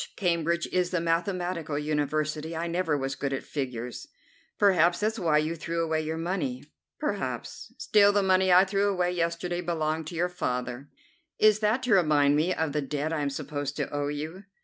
Cambridge is the mathematical university. I never was good at figures." "Perhaps that's why you threw away your money." "Perhaps. Still, the money I threw away yesterday belonged to your father." "Is that to remind me of the debt I am supposed to owe you?"